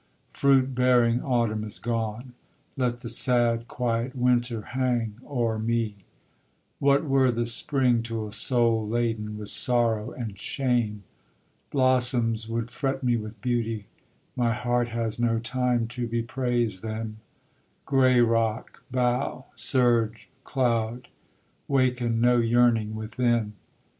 Fruit bearing autumn is gone; let the sad quiet winter hang o'er me What were the spring to a soul laden with sorrow and shame? Blossoms would fret me with beauty; my heart has no time to bepraise them; Gray rock, bough, surge, cloud, waken no yearning within.